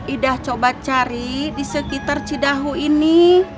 ida coba cari di sekitar cidahu ini